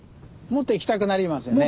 もっといきたくなりますね。